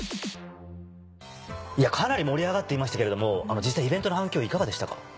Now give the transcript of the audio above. かなり盛り上がっていましたけれども実際イベントの反響いかがでしたか？